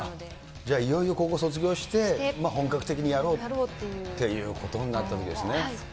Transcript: じゃあいよいよ、高校卒業して、本格的にやろうっていうことになったときですね。